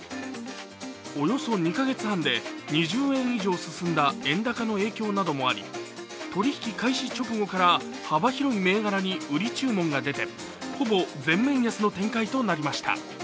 およそ２か月半で２０円以上進んだ円高の影響などもあり取引開始直後から幅広い銘柄に売り注文が出てほぼ全面安の展開となりました。